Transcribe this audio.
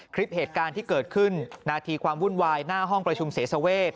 คลิปเหตุการณ์ที่เกิดขึ้นนาทีความวุ่นวายหน้าห้องประชุมเสสเวท